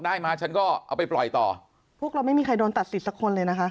มาฉันก็เอาไปปล่อยต่อพวกเราไม่มีใครโดนตัดสิทธิสักคนเลยนะคะ